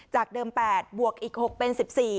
จากเดิม๘บวกอีก๖เป็น๑๔